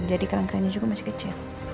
jadi kerangkanya juga masih kecil